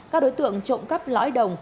các đối tượng trộm cắp lõi đồng